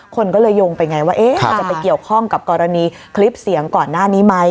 คนก็เลยโยงไปไงว่ามันจะไปเกี่ยวข้องกับกรณีคลิปเสียงก่อนหน้านี้ไหม